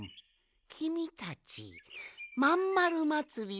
きみたち「まんまるまつり」